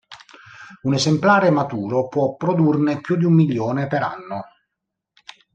Un esemplare maturo può produrne più di un milione per anno.